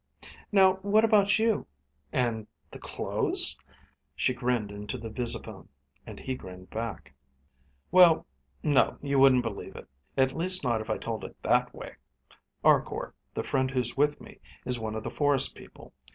"Now what about you? And the clothes?" She grinned into the visaphone, and he grinned back. "Well no, you wouldn't believe it. At least not if I told it that way. Arkor, the friend who's with me, is one of the forest people.